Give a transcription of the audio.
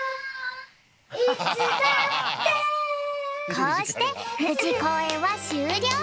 こうしてぶじこうえんはしゅうりょう。